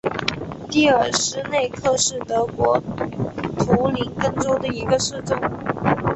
蒂尔施内克是德国图林根州的一个市镇。